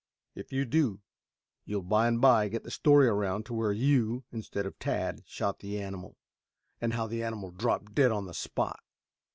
If you do, you'll by and by get the story around to where you, instead of Tad, shot the animal, and how the animal dropped dead on the spot."